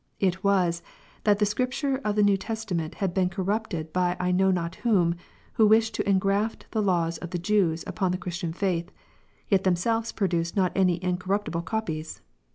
It was, that the Scriptures of the New Testa ment had been corrupted "^ by I know not whom, who wished to engrafFthe law of the Jews upon the Christian faith : yet themselves produced not any uncorrupted copies.